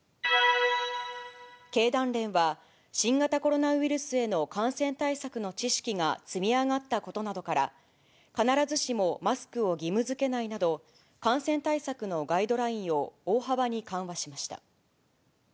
経団連は、新型コロナウイルスへの感染対策の知識が積み上がったことなどから、必ずしもマスクを義務づけないなど、感染対策のガイドラインを大幅に緩和しました。